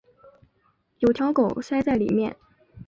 有条狗塞在里面